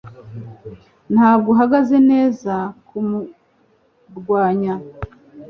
Ntabwo uhagaze neza kumurwanya.